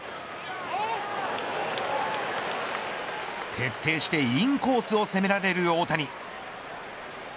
徹底してインコースを攻められる大谷。